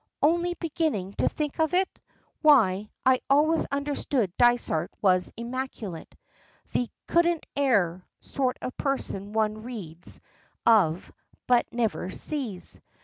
"Only, beginning to think it? Why, I always understood Dysart was immaculate the 'couldn't err' sort of person one reads of but never sees.